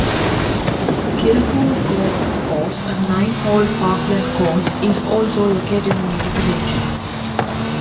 Kilcoole Golf Course, a nine-hole parkland course, is also located near the village.